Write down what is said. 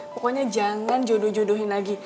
pokoknya jangan jodoh jodohin lagi